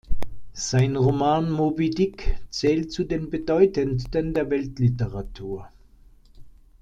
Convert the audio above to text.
Sein Roman "Moby-Dick" zählt zu den bedeutendsten der Weltliteratur.